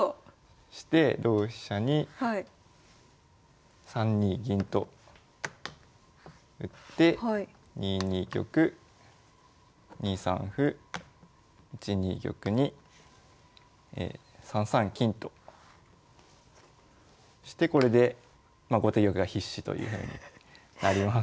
そして同飛車に３二銀と打って２二玉２三歩１二玉に３三金としてこれで後手玉が必至というふうになります。